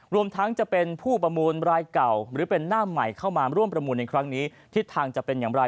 รวมทั้งจะเป็นผู้ประมูลรายเก่าหรือเป็นหน้าใหม่เข้ามาร่วมประมูลในครั้งนี้ทิศทางจะเป็นอย่างไร